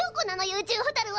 宇宙ホタルは！